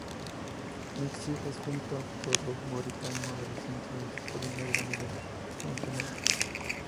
Nikšić es, junto a Podgorica, uno de los centros industriales más grandes de Montenegro.